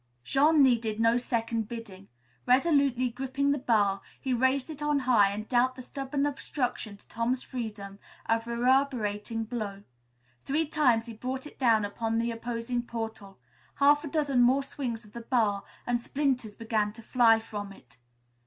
Jean needed no second bidding. Resolutely gripping the bar, he raised it on high and dealt the stubborn obstruction to Tom's freedom a reverberating blow. Three times he brought it down upon the opposing portal. Half a dozen more swings of the bar and splinters began to fly from it.